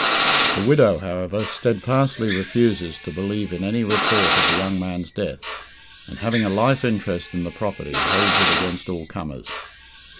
The widow, however, steadfastly refuses to believe in any report of the young man's death, and having a life interest in the property, holds it against all comers.